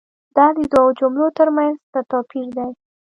دا دي دوو جملو تر منځ څه توپیر دی؟